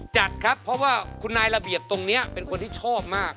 จัดครับเพราะว่าคุณนายระเบียบตรงนี้เป็นคนที่ชอบมาก